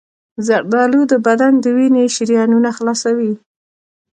زردآلو د بدن د وینې شریانونه خلاصوي.